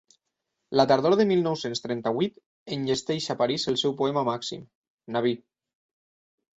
La tardor de mil nou-cents trenta-vuit enllesteix a París el seu poema màxim, Nabí.